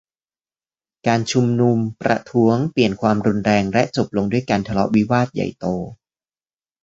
การชุมนุมประท้วงเปลี่ยนเป็นความรุนแรง และจบลงด้วยการทะเลาะวิวาทใหญ่โต